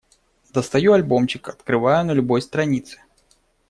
Достаю альбомчик, открываю — на любой странице.